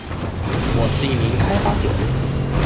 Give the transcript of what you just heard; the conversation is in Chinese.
我是一名开发者